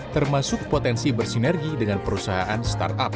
termasuk potensi bersinergi dengan perusahaan startup